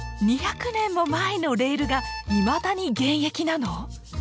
２００年も前のレールがいまだに現役なの？